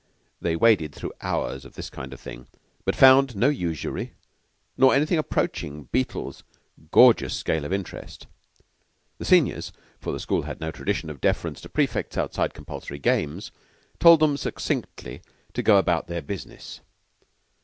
They waded through hours of this kind of thing, but found no usury, or anything approaching to Beetle's gorgeous scale of interest. The seniors for the school had no tradition of deference to prefects outside compulsory games told them succinctly to go about their business.